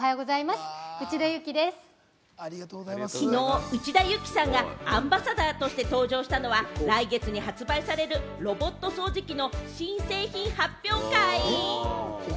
昨日、内田有紀さんがアンバサダーとして登場したのは、来月に発売されるロボット掃除機の新製品発表会。